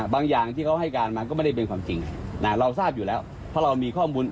อย่างที่เขาให้การมาก็ไม่ได้เป็นความจริงนะเราทราบอยู่แล้วเพราะเรามีข้อมูล